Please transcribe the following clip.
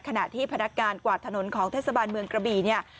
ขณะที่พนักงานกวาดถนนของเทศบาลเมืองกระบี่เนี่ย